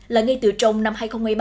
là ngay từ trong năm hai nghìn một mươi ba